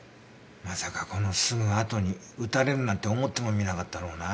まさかこのすぐあとに撃たれるなんて思ってもみなかったろうな。